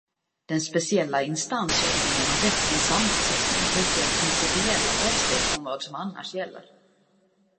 Den speciella instansordningen och rättens sammansättning utgör principiella avsteg från vad som annars gäller.